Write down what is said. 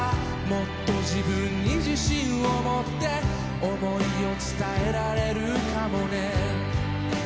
「もっと自分に自信を持って想いを伝えられるかもね」